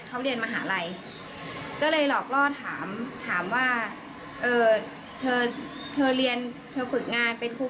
ขอเกงในอีกได้ไหมเดี๋ยววันไหนเธอไม่อยู่บ้านนี่